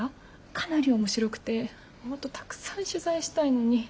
かなり面白くてもっとたくさん取材したいのに。